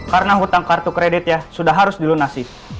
karena hutang kartu kreditnya sudah harus dilunasi